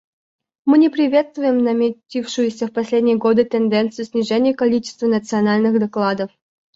Мы не приветствуем наметившуюся в последние годы тенденцию снижения количества национальных докладов.